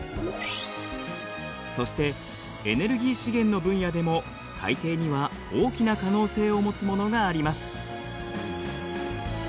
そしてエネルギー資源の分野でも海底には大きな可能性を持つものがあります。